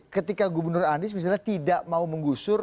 ketika gubernur anies misalnya tidak mau menggusur